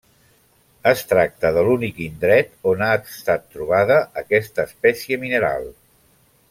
Es tracta de l'únic indret o ha estat trobada aquesta espècie mineral.